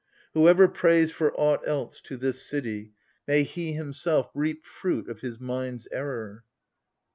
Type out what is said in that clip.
Whoever prays for aught else to this city — May he himself reap fruit of his mind's error